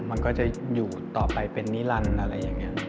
มันก็จะอยู่ต่อไปเป็นนิรันดิ์อะไรอย่างนี้